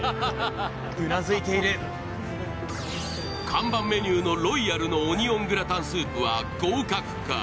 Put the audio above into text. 看板メニューのロイヤルのオニオングラタンスープは、合格か？